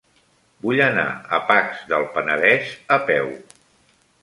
Vull anar a Pacs del Penedès a peu.